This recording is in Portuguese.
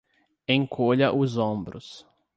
Encolha os ombros